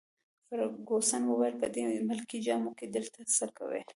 فرګوسن وویل: په دې ملکي جامو کي دلته څه کوي؟